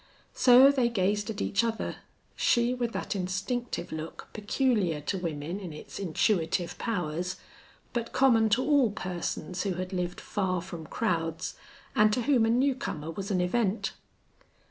So they gazed at each other, she with that instinctive look peculiar to women in its intuitive powers, but common to all persons who had lived far from crowds and to whom a new comer was an event.